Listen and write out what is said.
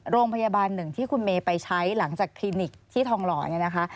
โรงพยาบาลหนึ่งที่คุณเมย์ไปใช้หลังจากคลินิกที่ทองหล่อเนี่ยนะคะ